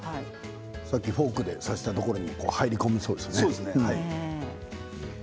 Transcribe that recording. さっきフォークで刺したところに入り込みそうですね。